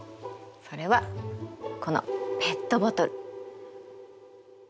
それはこのペットボトル。